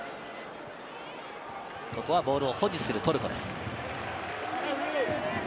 ここはボールを保持するトルコです。